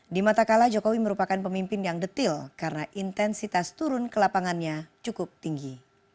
di mata kala jokowi merupakan pemimpin yang detil karena intensitas turun ke lapangannya cukup tinggi